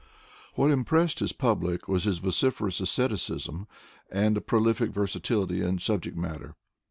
What impressed his public was his vociferous a:stheticism and a prolific versatility in subject matter.